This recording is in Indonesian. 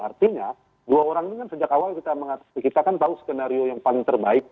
artinya dua orang ini kan sejak awal kita kan tahu skenario yang paling terbaik